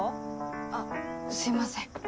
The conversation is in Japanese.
あっすいません。